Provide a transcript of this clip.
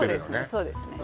そうですね